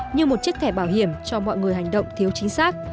như một chiếc thẻ bảo hiểm cho mọi người hành động thiếu chính xác